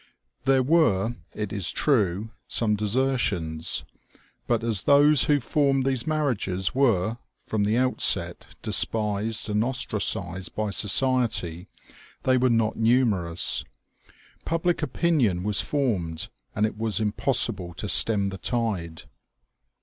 There were, it is true, some desertions ; but, as those who formed these marriages were, from the outset, despised and ostracized by society, they were not numerous. Public opinion was formed, and it was impossible to stem the tide.